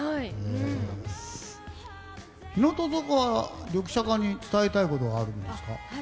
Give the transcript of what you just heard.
日向坂はリョクシャカに伝えたいことがあるんですか？